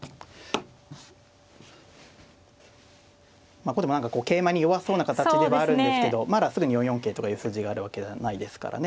まあ後手も何か桂馬に弱そうな形ではあるんですけどまだすぐに４四桂とかいう筋があるわけではないですからね。